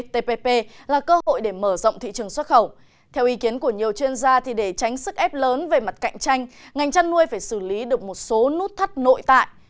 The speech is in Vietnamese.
theo ý kiến của nhiều chuyên gia để tránh sức ép lớn về mặt cạnh tranh ngành chăn nuôi phải xử lý được một số nút thắt nội tại